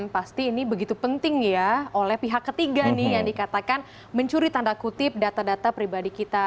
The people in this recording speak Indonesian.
pasti ini begitu penting ya oleh pihak ketiga nih yang dikatakan mencuri tanda kutip data data pribadi kita